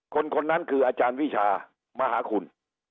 คนคนนั้นคืออาจารย์วิชามหาคุณ